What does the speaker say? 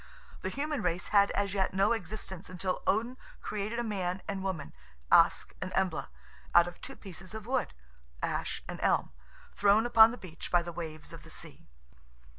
The human race had as yet no existence until Odin created a man and woman, Ask and Embla, out of two pieces of wood (ash and elm), thrown upon the beach by the waves of the sea.